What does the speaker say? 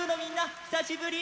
ひさしぶり！